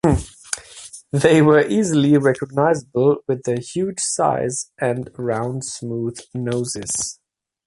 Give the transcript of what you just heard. They were easily recognizable with their huge size and round smooth noses.